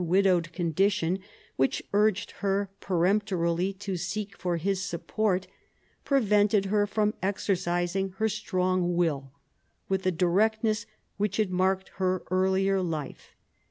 k widowed condition which urged her peremptorily to seek for his support, prevented her from exercising her strong will with the directness which had marked her earlier life.